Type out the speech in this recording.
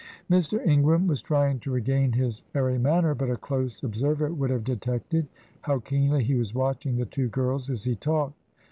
Mr. Ingram was trying to regain his airy manner, but a close observer would have detected how keenly he was watching the two girls as he talked.